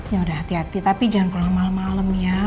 yaudah hati hati tapi jangan pulang malem malem ya